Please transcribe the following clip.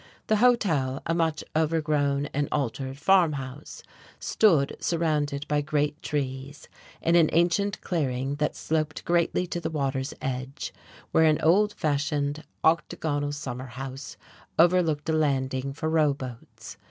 The hotel, a much overgrown and altered farm house, stood, surrounded by great trees, in an ancient clearing that sloped gently to the water's edge, where an old fashioned, octagonal summerhouse overlooked a landing for rowboats.